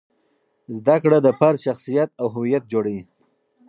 زده کړه د فرد شخصیت او هویت جوړوي.